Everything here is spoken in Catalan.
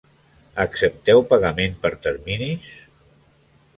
Accepteu pagament per terminis?